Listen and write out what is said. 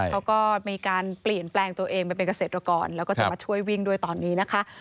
เขาก็มีการเปลี่ยนแปลงตัวเองไปเป็นเกษตรกรแล้วก็จะมาช่วยวิ่งด้วยตอนนี้นะคะ